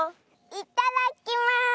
いただきます！